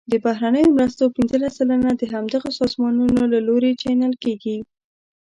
د بهرنیو مرستو پنځلس سلنه د همدغه سازمانونو له لوري چینل کیږي.